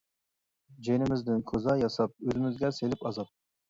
جېنىمىزدىن كوزا ياساپ، ئۆزىمىزگە سېلىپ ئازاب.